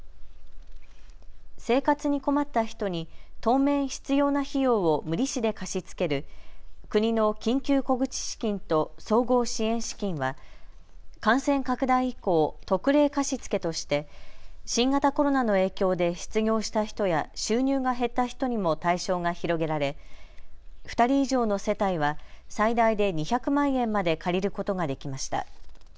生活に困った人に当面、必要な費用を無利子で貸し付ける国の緊急小口資金と総合支援資金は感染拡大以降、特例貸付として新型コロナの影響で失業した人や収入が減った人にも対象が広げられ２人以上の世帯は最大で２００万円まで借りることができました。